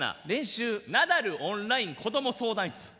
「ナダルオンライン子ども相談室」。